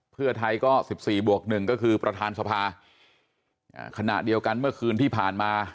เพื่อไทยก็๑๔บวกหนึ่งก็คือประธานสภาขณะเดียวกันเมื่อคืนที่ผ่านมา